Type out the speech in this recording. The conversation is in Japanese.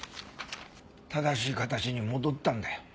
正しい形に戻ったんだよ。